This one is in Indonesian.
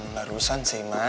barusan sih ma